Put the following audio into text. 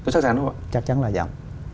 chắc chắn không ạ chắc chắn là giảm